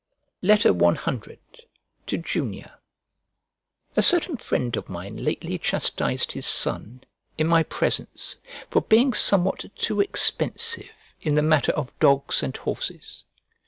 C To JUNIOR A CERTAIN friend of mine lately chastised his son, in my presence, for being somewhat too expensive in the matter of dogs and horses.